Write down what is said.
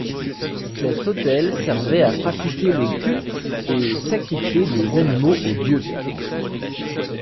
Cet autel servait à pratiquer le culte et sacrifier des animaux aux dieux.